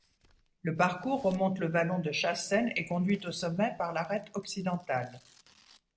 Le parcours remonte le vallon de Chasten et conduit au sommet par l'arête occidentale.